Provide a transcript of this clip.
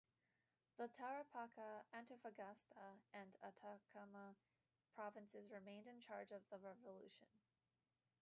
The Tarapacá, Antofagasta and Atacama provinces remained in charge of the revolution.